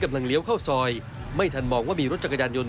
เลี้ยวเข้าซอยไม่ทันมองว่ามีรถจักรยานยนต